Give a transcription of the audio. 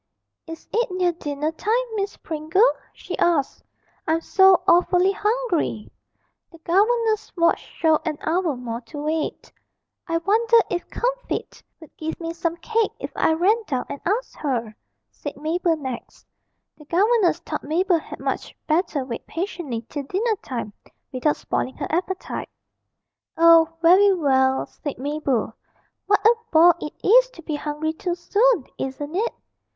'Is it near dinner time, Miss Pringle?' she asked. 'I'm so awfully hungry!' The governess's watch showed an hour more to wait. 'I wonder if Comfitt would give me some cake if I ran down and asked her!' said Mabel next. The governess thought Mabel had much better wait patiently till dinner time without spoiling her appetite. 'Oh, very well,' said Mabel; 'what a bore it is to be hungry too soon, isn't it?'